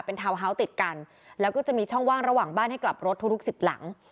เป็นทาวน์ฮาวส์ติดกันแล้วก็จะมีช่องว่างระหว่างบ้านให้กลับรถทุกทุกสิบหลัง